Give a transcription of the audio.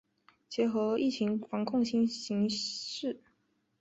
结合疫情防控新形势